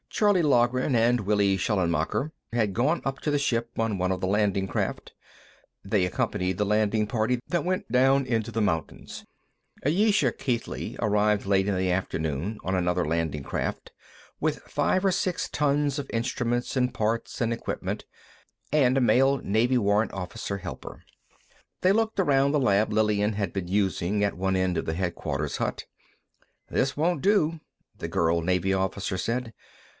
Charley Loughran and Willi Schallenmacher had gone up to the ship on one of the landing craft; they accompanied the landing party that went down into the mountains. Ayesha Keithley arrived late in the afternoon on another landing craft, with five or six tons of instruments and parts and equipment, and a male Navy warrant officer helper. They looked around the lab Lillian had been using at one end of the headquarters hut. "This won't do," the girl Navy officer said.